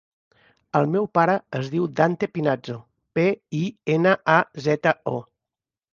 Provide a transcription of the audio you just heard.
El meu pare es diu Dante Pinazo: pe, i, ena, a, zeta, o.